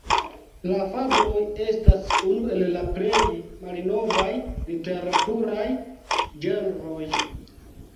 La fabloj estas unu el la plej malnovaj literaturaj ĝenroj.